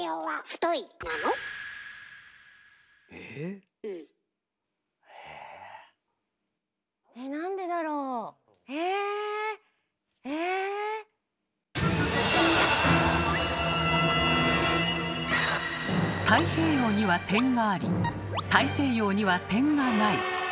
「太平洋」には点があり「大西洋」には点がない。